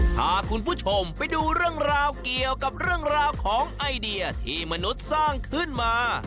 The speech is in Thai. พาคุณผู้ชมไปดูเรื่องราวเกี่ยวกับเรื่องราวของไอเดียที่มนุษย์สร้างขึ้นมา